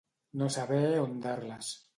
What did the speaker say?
No saber on dar-les.